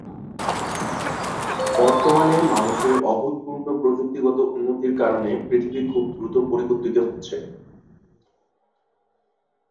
বর্তমানে মানুষের অভূতপূর্ব প্রযুক্তিগত উন্নতির কারণে পৃথিবী খুব দ্রুত পরিবর্তিত হচ্ছে।